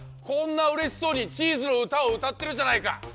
こんなうれしそうにチーズのうたをうたってるじゃないか！